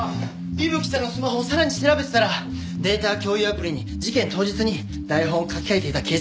伊吹さんのスマホをさらに調べてたらデータ共有アプリに事件当日に台本を書き換えていた形跡があったんですよ。